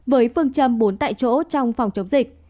với phương châm bốn tại chỗ trong phòng chống dịch